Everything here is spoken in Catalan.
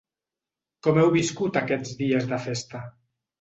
Com heu viscut aquests dies de festa?